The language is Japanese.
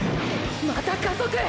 また加速！！